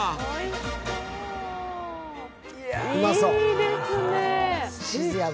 いいですね。